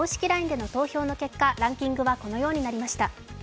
ＬＩＮＥでの投票の結果、ランキングはこのようになりました。